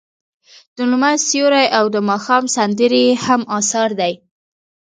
د لمر سیوری او د ماښام سندرې یې هم اثار دي.